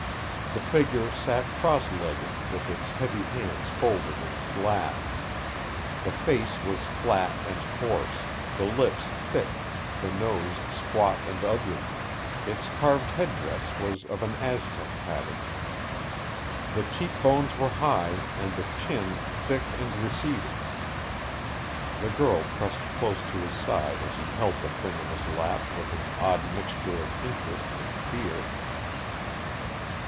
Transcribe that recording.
The figure sat cross legged with its heavy hands folded in its lap. The face was flat and coarse, the lips thick, the nose squat and ugly. Its carved headdress was of an Aztec pattern. The cheek bones were high, and the chin thick and receding. The girl pressed close to his side as he held the thing in his lap with an odd mixture of interest and fear.